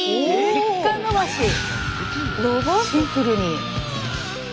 シンプルに。